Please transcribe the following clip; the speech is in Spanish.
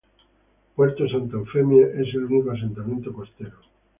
Puerto Santa Eufemia es el único asentamiento costero.